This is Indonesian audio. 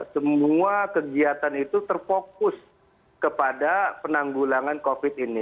semua kegiatan itu terfokus kepada penanggulangan covid ini